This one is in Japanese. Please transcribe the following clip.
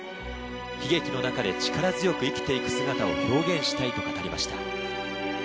悲劇の中で力強く生きて行く姿を表現したいと語りました。